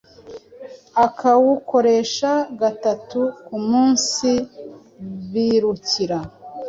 ukawukoresha gatatu ku munsi birakira